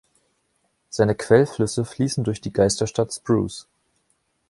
Seine Quellflüsse fließen durch die Geisterstadt Spruce.